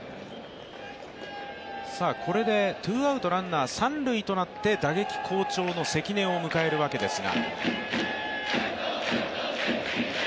これでツーアウトランナー三塁となって打撃好調の関根を迎えるわけですが。